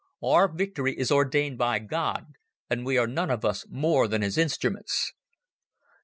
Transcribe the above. Our victory is ordained by God, and we are none of us more than His instruments."